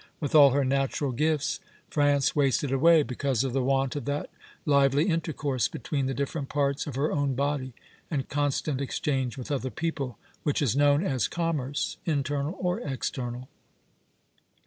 With all her natural gifts France wasted away because of the want of that lively intercourse between the different parts of her own body and constant exchange with other people, which is known as commerce, internal or external.